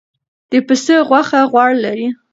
د پسه غوښه غوړ لري.